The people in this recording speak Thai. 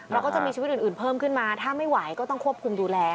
เราก็จะมีชีวิตอื่นเพิ่มขึ้นมาถ้าไม่ไหวก็ต้องควบคุมดูแล